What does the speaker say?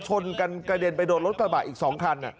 ชนกันกระเด็นไปโดนรถกระบะอีก๒คัน